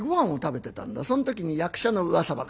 そん時に役者のうわさ話。